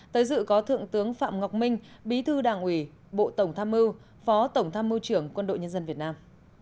tới dự có thượng tướng phạm ngọc minh bí thư đảng ủy bộ tổng tham mưu phó tổng tham mưu trưởng quân đội nhân dân việt nam